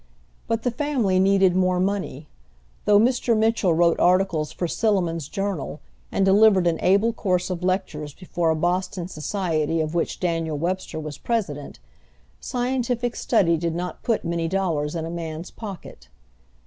But the family needed more money. Though Mr. Mitchell wrote articles for Silliman's Journal, and delivered an able course of lectures before a Boston society of which Daniel Webster was president, scientific study did not put many dollars in a man's pocket.